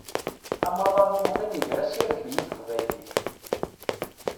Amaḍal umḍin iger-as arebbi i teqbaylit.